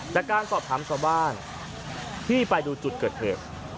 จากการสอบถามชาวบ้านที่ไปดูจุดเกิดเหตุ